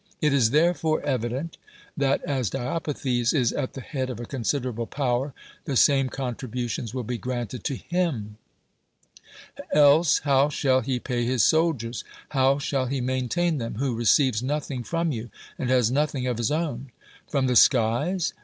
It is therefore evident, 127 THE WORLD'S FAMOUS ORATIONS that as Diopithes is at the head of a considerable power, the same contributions will be granted to him. Else how shall he pay his soldiers? how shall he maintain them, who receives nothing from you, and has nothing of his own? From the skies?